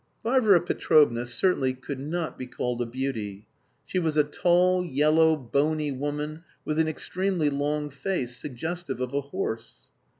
Varvara Petrovna certainly could not be called a beauty. She was a tall, yellow, bony woman with an extremely long face, suggestive of a horse.